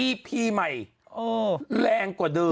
พีใหม่แรงกว่าเดิม